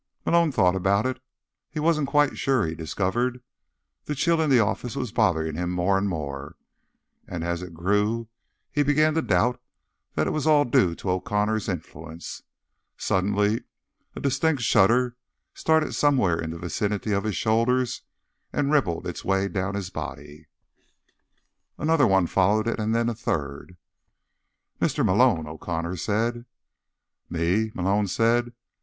Malone thought about it. He wasn't quite sure, he discovered. The chill in the office was bothering him more and more, and as it grew he began to doubt that it was all due to the O'Connor influence. Suddenly a distinct shudder started somewhere in the vicinity of his shoulders and rippled its way down his body. Another one followed it, and then a third. "Mr. Malone," O'Connor said. "Me?" Malone said.